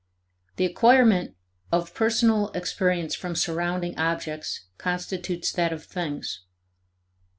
The acquirement of personal experience from surrounding objects constitutes that of things.